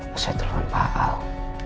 masih ada teluran pak al